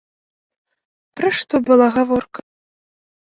Пра што была гаворка?